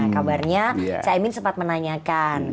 kabarnya caimin sempat menanyakan